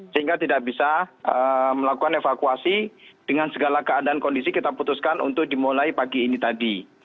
sehingga tidak bisa melakukan evakuasi dengan segala keadaan kondisi kita putuskan untuk dimulai pagi ini tadi